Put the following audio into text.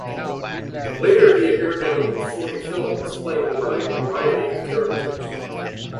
Later he appeared in over forty films, playing a wide variety of characters.